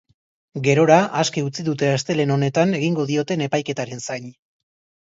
Gerora, aske utzi dute astelehen honetan egingo dioten epaiketaren zain.